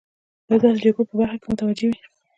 د داسې جګړو په برخه کې متوجه وي.